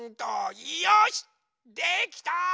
よしできた！